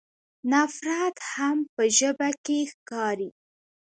نفرت هم په ژبه کې ښکاري.